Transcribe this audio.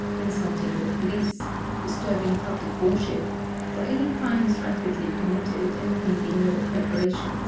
insulting the police, disturbing public worship, or any crimes rapidly committed, and needing no preparation.